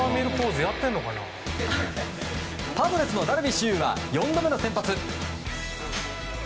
パドレスのダルビッシュ有は４度目の先発。